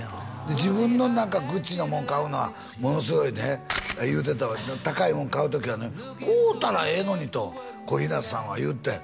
自分の何かグッチのもん買うのはものすごいね言うてたわ高いもん買う時はね買うたらええのにと小日向さんは言うてたよ